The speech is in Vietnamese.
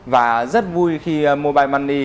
và rất vui khi mobile money